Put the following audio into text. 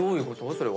それは。